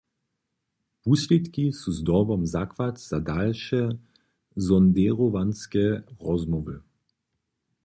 Wuslědki su zdobom zakład za dalše sonděrowanske rozmołwy.